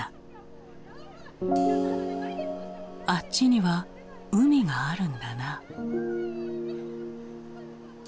「あっちには海があるんだな」。